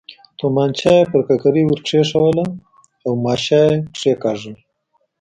تومانچه یې پر ککرۍ ور کېښووله او ماشه یې کېکاږل.